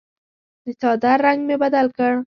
د څادر رنګ مې بدل کړ.